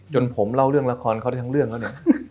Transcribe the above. จนผมเล่าเรื่องละครเขาได้ทั้งเรื่องแล้วเนี่ย